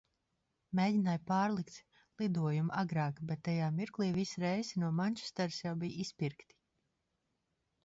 Mēģināju pārlikt lidojumu agrāk, bet tajā mirklī visi reisi no Mančestras jau bija izpirkti.